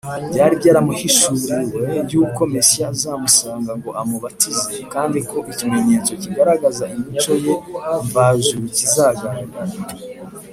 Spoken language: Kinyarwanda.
. Byari byaramuhishuriwe yuko Mesiya azamusanga ngo amubatize, kandi ko ikimenyetso kigaragaza imico ye mvajuru kizagaragara